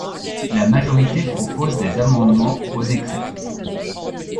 La majorité propose des amendements au décret.